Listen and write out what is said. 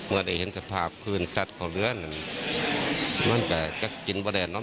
อืม